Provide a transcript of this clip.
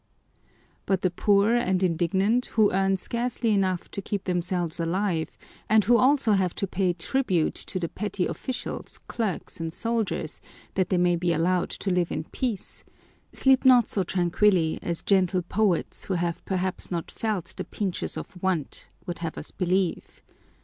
But the poor and indigent who earn scarcely enough to keep themselves alive and who also have to pay tribute to the petty officials, clerks, and soldiers, that they may be allowed to live in peace, sleep not so tranquilly as gentle poets who have perhaps not felt the pinches of want would have us believe.